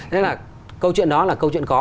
thế là câu chuyện đó là câu chuyện có